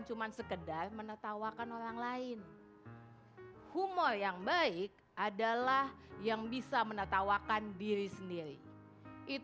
cuman sekedar menetawakan orang lain humor yang baik adalah yang bisa menetawakan diri sendiri itu